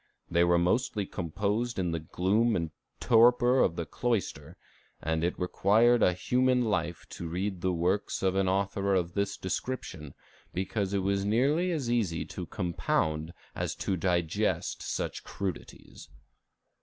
They were mostly composed in the gloom and torpor of the cloister, and it almost required a human life to read the works of an author of this description, because it was nearly as easy to compound as to digest such crudities."